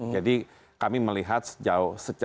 jadi kami melihat sejauh